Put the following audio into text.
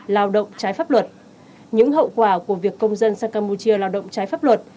lao động trái pháp luật những hậu quả của việc công dân sang campuchia lao động trái pháp luật